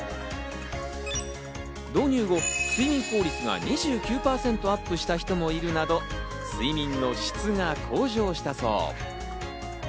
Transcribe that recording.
導入後、睡眠効率が２９％アップした人もいるなど、睡眠の質が向上したそう。